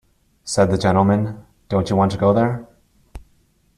Said the gentleman, "Don't you want to go there?"